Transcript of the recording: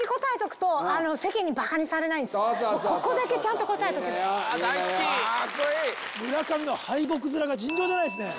ここだけちゃんと答えとけば大好きカッコイイ村上の敗北ヅラが尋常じゃないですね